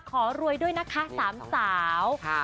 ขอรวยด้วยนะคะสามสาว